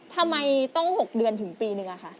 ทำไมต้อง๖เดือนถึงปีนึงอะค่ะ